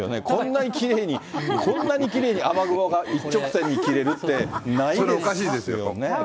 こんなにきれいに、こんなにきれいに、雨雲が一直線に切れるって、ないですよね。